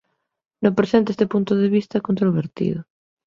No presente este punto de vista é controvertido.